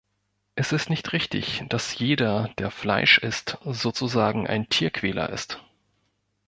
Es ist nicht richtig, dass jeder, der Fleisch isst, sozusagen ein Tierquäler ist.